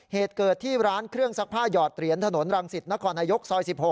เหตุเกิดที่ร้านเครื่องซักผ้าหยอดเหรียญถนนรังสิตนครนายกซอย๑๖